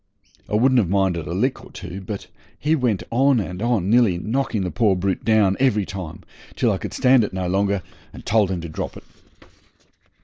I wouldn't have minded a lick or two, but he went on and on, nearly knocking the poor brute down every time, till I could stand it no longer, and told him to drop it.